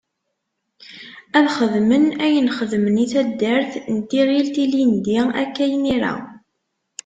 Ad xedmen ayen xedmen i taddart n Tiɣilt ilindi akka imira.